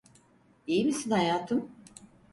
İyi misin hayatım?